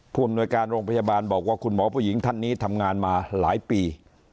อำนวยการโรงพยาบาลบอกว่าคุณหมอผู้หญิงท่านนี้ทำงานมาหลายปี